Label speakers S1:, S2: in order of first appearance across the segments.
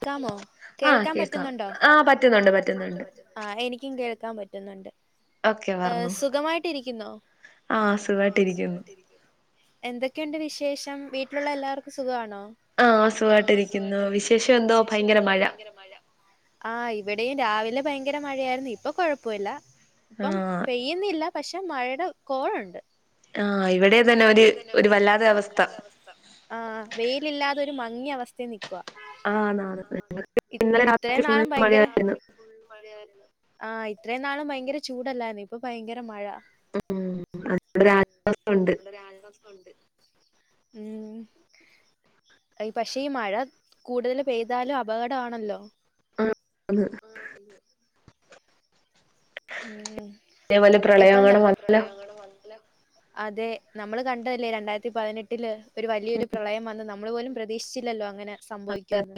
S1: ക്കാമോ
S2: ആഹ്
S1: കേൾക്കാൻ
S2: കേക്കാം
S1: പറ്റുന്നുണ്ടോ
S2: ആഹ്
S1: ആ
S2: പറ്റുന്നുണ്ട്
S1: പറ്റുന്നുണ്ട് പറ്റുന്നുണ്ട് ആ എനിക്കും കേൾക്കാൻ പറ്റുന്നുണ്ട്
S2: ഓക്കെ പറഞ്ഞോ
S1: സുഖമായിട്ടിരിക്കുന്നോ
S2: ആഹ്
S1: ആ
S2: സുഖായിട്ടിരിക്കുന്നു
S1: സുഖായിട്ട് ഇരിക്കുന്നു എന്തൊക്കെണ്ട് വിശേഷം വീട്ടിലുള്ള എല്ലാർക്കും സുഖാണോ
S2: ആഹ്
S1: ആ
S2: സുഖായിട്ടിരിക്കുന്നു
S1: സുഖായിട്ട് ഇരിക്കുന്നു
S2: വിശേഷം എന്തോ
S1: വിശേഷന്തോ ഭയങ്കര മഴ ആ ഇവിടെയും രാവിലെ ഭയങ്കര മഴയായിരുന്നു ഇപ്പൊ കൊഴപ്പോല്ല ഇപ്പം പെയ്
S2: ആഹ്
S1: പെയ്യ്ന്നില്ല പക്ഷെ മഴയുടെ കോള് ണ്ട്
S2: ആ ഇവിടെ തന്നെ ഒര് ഒരു വല്ലാതെ അവസ്ഥ
S1: ആ വെയിലില്ലാതെ ഒരു മങ്ങിയ അവസ്ഥേ നിക്കുവാ
S2: ആണ് ആണ്
S1: ആ ഇത്
S2: ഇന്നലെ രാത്രി
S1: ഇത്രയും
S2: ഫുള്ള്
S1: നാളും ഭയങ്കര
S2: മഴയായിരുന്നു
S1: ആ ഇത്രയും നാളും ഭയങ്കര ചൂടല്ലായിരുന്നോ ഇപ്പൊ ഭയങ്കര മഴ
S2: ഉം അൽപൊരാശ്വാസം ഉണ്ട്
S1: ഒരാശ്വാസഒണ്ട് ഉം അത് പക്ഷേ ഈ മഴ കൂടുതല് പെയ്താലും അപകട ആണല്ലോ
S2: ആ അത് തന്നെ
S1: ഉം
S2: അതേപോലെ പ്രളയം
S1: ഇപ്പം ന്താ
S2: അങ്ങനെ
S1: അതുപോലെ
S2: വന്നല്ലോ
S1: പ്രളയം അങ്ങനെ വന്നാലോ അതെ നമ്മള് കണ്ടതല്ലേ രണ്ടായിരത്തി പതിനെട്ടില് ഒരു വലിയൊരു പ്രളയം വന്ന് നമ്മള് പോലും പ്രതീക്ഷിച്ചില്ലല്ലോ അങ്ങനെ
S2: അതറിയാം.
S1: സംഭവിക്കുമന്ന്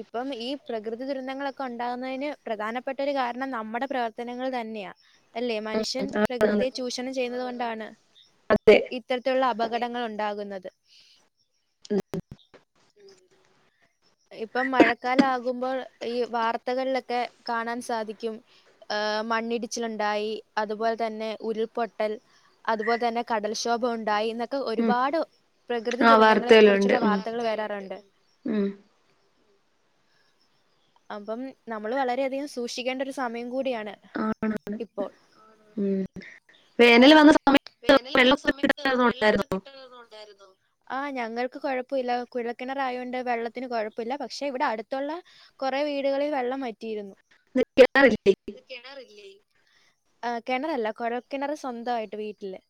S1: ഇപ്പം ഈ പ്രകൃതി ദുരന്തങ്ങളൊക്കെ ഉണ്ടാകുന്നതിന് പ്രധാനപ്പെട്ട ഒരു കാരണം നമ്മടെ പ്രവർത്തനങ്ങൾ തന്നെയാ അല്ലേ
S2: ഉം
S1: മനുഷ്യൻ
S2: ആന്ന്
S1: പ്രകൃതിയെ ചൂഷണം ചെയ്യുന്നത് കൊണ്ടാണ്
S2: അതെ
S1: ഇത്തരത്തിലുള്ള അപകടങ്ങൾ ഉണ്ടാകുന്നത്
S2: ഉം
S1: ഇപ്പം മഴക്കാല ആകുമ്പോൾ ഈ വാർത്തകളിലൊക്കെ കാണാൻ സാധിക്കും ഏ മണ്ണിടിച്ചിലുണ്ടായി അതുപോലെ തന്നെ ഉരുൾപൊട്ടൽ അതുപോലെ തന്നെ കടൽക്ഷോഭ ഉണ്ടായി എന്നൊക്കെ
S2: ഉം
S1: ഒരുപാട് പ്രകൃതി
S2: ആഹ്
S1: ദുരന്തങ്ങളെ
S2: വാർത്തയിലുണ്ട്
S1: കുറിച്ചുള്ള
S2: ഉം
S1: വാർത്തകൾ വരാറുണ്ട്
S2: ഉം
S1: അപ്പം നമ്മള് വളരെയധികം സൂക്ഷിക്കേണ്ട ഒരു സമയം കൂടിയാണ്
S2: ആണ് ആണ്
S1: ഇപ്പോൾ
S2: ഉം വേനല് വന്ന സ
S1: വേനല് വന്ന സമയത്ത് വെള്ളക്കെ കിട്ടലുക്കെണ്ടായിരുന്നോ ആ ഞങ്ങൾക്ക് കൊഴപ്പോല്ല കുഴക്കിണറാ ആയോണ്ട് വെള്ളത്തിന് കൊഴപ്പോല്ല പക്ഷെ ഇവിടെ അടുത്തുള്ള കൊറേ വീടുകളിൽ വെള്ളം വറ്റിയിരുന്നു
S2: [unintelligible] കിണറില്ലേ
S1: ഇത് കെണറില്ലേ ആഹ് കിണറല്ല കുഴൽക്കിണർ സ്വന്തായിട്ട് വീട്ടില്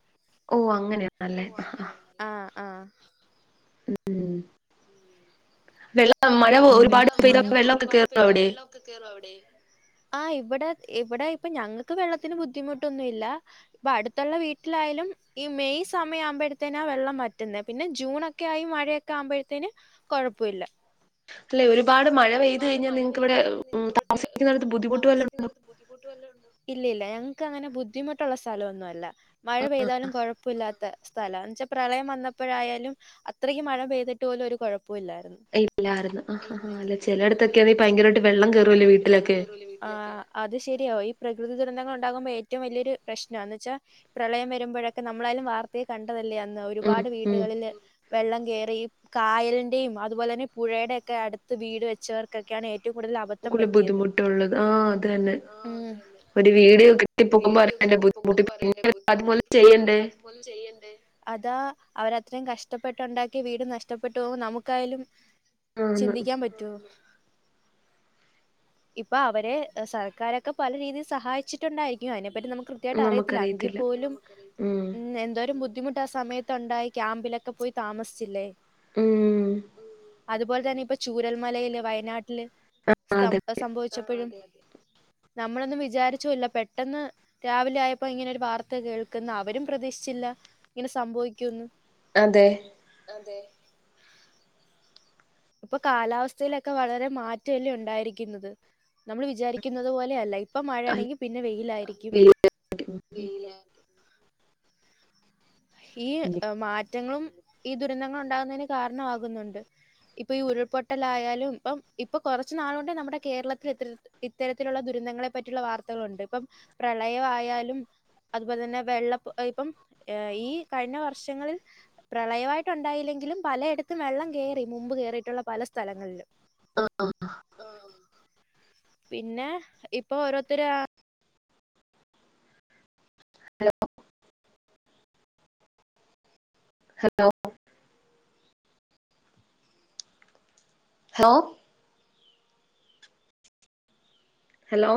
S2: ഓഹ് അങ്ങനെയാണല്ലേ ആഹ് ആഹ്
S1: ആഹ് ആഹ്
S2: ഉം ഉം വെള്ളം മഴ ഒരുപാട് പെയ്താ വെള്ളവൊക്കെ കേറുവോ അവിടെ
S1: ആഹ് ഇവിടെ ഇവിടെ ഇപ്പൊ ഞങ്ങൾക്ക് വെള്ളത്തിന് ബുദ്ധിമുട്ടൊന്നും ഇല്ല അപ്പൊ അടുത്തുള്ള വീട്ടിലായാലും ഈ മെയ് സമയം ആവുമ്പഴ്ത്തേനാ വെള്ളം വറ്റുന്നെ പിന്നെ ജൂണൊ ക്കായി മഴയൊക്കെ ആവുമ്പോഴ്ത്തേന് കൊഴപ്പില്ല
S2: അല്ലെ ഒരുപാട് മഴ പെയ്ത് കഴിഞ്ഞാൽ നിങ്ങൾക്ക് ഇവിടെ ഉം താമസിക്കുന്നടുത്ത് ബുദ്ധിമുട്ട് വല്ലോം ഉണ്ടോ
S1: ഇല്ലില്ല ഞങ്ങക്ക് അങ്ങനെ ബുദ്ധിമുട്ടുള്ള സ്ഥലം ഒന്നും അല്ല മഴ പെയ്താലും കൊഴ പ്പല്ലാത്ത സ്ഥലാ എന്ന്ച്ചാ പ്രളയം വന്നപ്പോഴായാലും അത്രക്കു മഴ പെയ്തിട്ട് പോലും ഒരു കുഴപ്പവും ഇല്ലാരുന്നു
S2: ഇല്ലാർന്ന് ആഹ് അത് അല്ല ചിലയിടത്തൊക്കെ ഭയരമായിട്ട് വെള്ളം കയറൂല്ലേ വീട്ടിലൊക്കെ
S1: ആഹ് അത് ശരിയാ ഈ പ്രകൃതി ദുരന്തങ്ങൾ ഉണ്ടാകുമ്പോൾ ഏറ്റവും വലിയൊരു പ്രശ്നാന്ന് എന്ന് വെച്ചാൽ പ്രളയം വരുമ്പോഴൊക്കെ നമ്മളായാലും വാർത്തയി കണ്ടതല്ലേ അന്ന
S2: ഉം
S1: ഒരുപാട്
S2: ഉം
S1: വീടുകളില് വെള്ളം കേറി കായലിന്റെയും അതുപോലെ തന്നെ പുഴയുടെ ഒക്കെ അടു ത്ത് വീട് വെച്ചവർക്കൊക്കെയാണ് ഏറ്റ ഏറ്റവും കൂടുതൽ അബദ്ധം
S2: കൂടുതൽ
S1: പറ്റിയത്
S2: ബുദ്ധിമുട്ടുള്ളത് ആ അത് തന്നെ
S1: ഉം
S2: ഒരു [unintelligible] ബുദ്ധിമുട്ട് പിന്നെ അത് പോലും ചെയ്യണ്ടേ
S1: ഒന്നും ചെയ്യണ്ടേ അതാ അവരത്രയും കഷ്ടപ്പെട്ടുണ്ടാക്കിയ വീട് നഷ്ടപ്പെട്ടു പോകുമ്പോൾ നമുക്കായാലും
S2: ആന്ന്
S1: പറ്റോ ഇപ്പൊ അവരെ സർക്കാരൊക്കെ പല രീതിയിൽ സഹായിച്ചിട്ടുണ്ടായിരിക്കും അയിനെപ്പറ്റി നമുക്ക് കൃത്യയിട്ട് അറിയത്തില്ല അങ്കി
S2: നമുക്കറിയത്തില്ല
S1: പോലും ഉം എന്തോരം ബുദ്ധിമു ട്ടാ സമയത്തുണ്ടായി ക്യാമ്പിലൊക്കെ പോയി താമസിച്ചില്ലേ
S2: ഉം
S1: അതുപോലെ തന്നെ ഇപ്പൊ ചൂരൽമലയില് വയനാട്ടില്
S2: അതെ
S1: സം സംഭവിച്ചപ്പഴ് നമ്മളൊന്നും വിചാരിച്ചുല്ല പെട്ടെന്ന് രാവിലെ ആയപ്പോ ഇങ്ങനെ ഒരു വാർത്ത കേൾക്കുന്നു അവരും പ്രതീക്ഷിച്ചില്ല ഇങ്ങനെ സംഭവിക്കുന്ന്
S2: അതെ
S1: അതെ ഇപ്പൊ കാലാവസ്ഥയിലൊക്കെ വളരെ മാറ്റല്ലേ ഉണ്ടായിരിക്കുന്നത് നമ്മൾ വിചാരിക്കുന്നത് പോലെയല്ല ഇപ്പൊ
S2: അല്ല,
S1: മഴയാണെങ്കി പിന്നെ വെയിലായിരിക്കും ഈ
S2: വീ-
S1: മാറ്റങ്ങളും ഈ ദുരന്തങ്ങളും ഉണ്ടാകുന്നതിന് കാരണമാകുന്നുണ്ട് ഇപ്പൊ ഈ ഉരുൾപൊട്ടലായാലും ഇപ്പം ഇപ്പൊ കുറച്ച നാളുണ്ട് നമ്മുടെ കേരളത്തിൽ എത്ര ഇത്തരത്തിലുള്ള ദുരന്തങ്ങളെ പറ്റിയുള്ള വാർത്തകളുണ്ട് ഇപ്പം പ്രളയമായാലും അതുപോലെ തന്നെ വെള്ളപ്പ ഇപ്പം ഈ കഴിഞ്ഞ വർഷങ്ങളിൽ പ്രളയമായിട്ട് ഉണ്ടായില്ലെങ്കിലും പലയിടത്തും വെള്ളം കേറി മുമ്പ് കേറിയിട്ടുള്ള പല സ്ഥലങ്ങളിലും
S2: ആഹ് ആഹ്
S1: പിന്നെ ഇപ്പൊ ഓരോരുത്തരാ
S2: ഹലോ ഹലോ ഹലോ ഹലോ